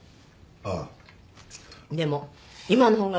ああ！